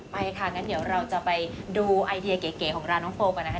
ไปค่ะงั้นเดี๋ยวเราจะไปดูไอเดียเก๋ของร้านน้องโฟมกันนะคะ